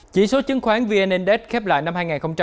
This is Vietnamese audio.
chỉ số chứng khoán vnnd khép lại năm hai nghìn hai mươi một